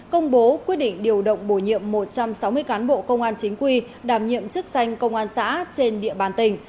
công bố quyết định điều động bổ nhiệm một trăm sáu mươi cán bộ công an chính quy đảm nhiệm chức danh công an xã trên địa bàn tỉnh